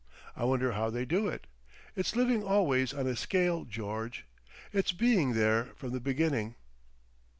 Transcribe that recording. I wonder how they do it. It's living always on a Scale, George. It's being there from the beginning."...